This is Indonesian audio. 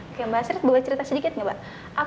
oke mbak asrit boleh cerita sedikit nggak mbak